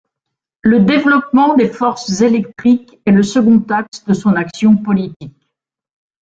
Le développement des forces électriques est le second axe de son action politique.